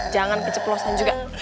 jangan keceplosan juga